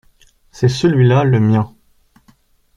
C’est celui-là le mien.